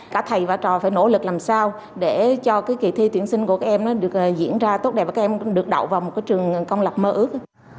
cả thầy và trò phải nỗ lực làm sao để cho kỳ thi tuyển sinh của các em được diễn ra tốt đẹp và các em cũng được đậu vào một trường công lập mơ ước